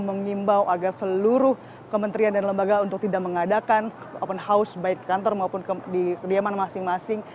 mengimbau agar seluruh kementerian dan lembaga untuk tidak mengadakan open house baik di kantor maupun di kediaman masing masing